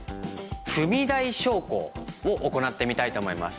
踏み台昇降を行ってみたいと思います。